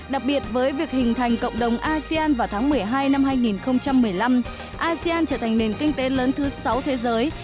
đặc biệt với việc hình thành cộng đồng asean vào tháng một mươi hai năm hai nghìn một mươi năm asean trở thành nền kinh tế lớn thứ sáu thế giới